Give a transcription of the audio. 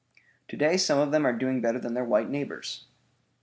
To day some of them are doing better than their white neighbors.